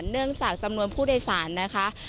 เนื่องจากจำนวนผู้โดยสารนะคะ